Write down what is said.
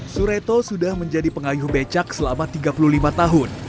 sureto sudah menjadi pengayuh becak selama tiga puluh lima tahun